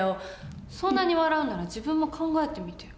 そんなに笑うなら自分も考えてみてよ。